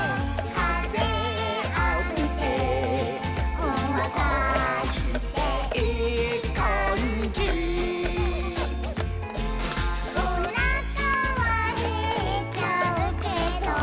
「かぜあびてほんわかしていいかんじ」「おなかはへっちゃうけど」